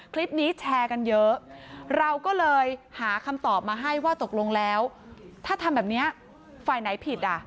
คลิปนี้แชร์กันเยอะเราก็เลยหาคำตอบมาให้ว่าตกลงแล้วถ้าทำแบบนี้ฝ่ายไหนผิดอ่ะ